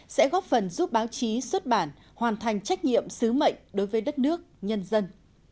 sẽ góp phần giúp báo chí xuất bản hoàn thành trách nhiệm sứ mệnh đối với đất nước nhân dân